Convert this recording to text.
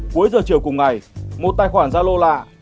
cuối giờ chiều cùng ngày một tài khoản gia lô lạ